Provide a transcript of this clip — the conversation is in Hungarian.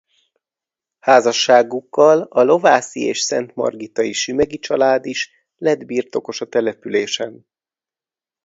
Házasságukkal a lovászi és szentmargitai Sümeghy család is lett birtokos a településen.